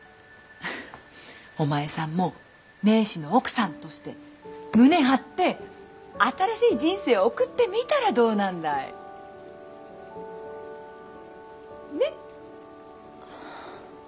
お前さんも名士の奥さんとして胸張って新しい人生を送ってみたらどうなんだい。ね。